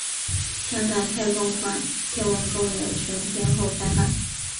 香港太空馆天文公园全天候开放。